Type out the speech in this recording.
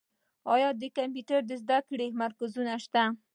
آیا د کمپیوټر زده کړې مرکزونه شته؟